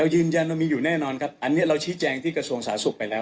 ยืนยันว่ามีอยู่แน่นอนครับอันนี้เราชี้แจงที่กระทรวงสาธารณสุขไปแล้ว